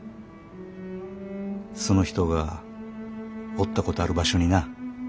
その人がおったことある場所にな。